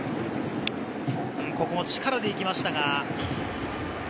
ここも力で行きましたが。